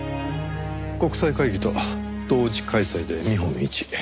国際会議と同時開催で見本市。